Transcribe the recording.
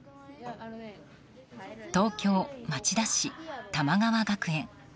東京・町田市、玉川学園。